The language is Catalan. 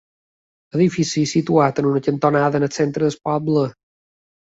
Edifici situat en una cantonada, al centre del poble.